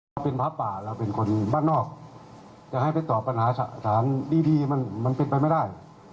เราเป็นพระป่าเราเป็นคนบ้านนอกจะให้ไปตอบปัญหาสถานดีมันเป็นไปไม่ได้